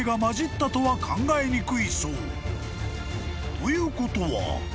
［ということは］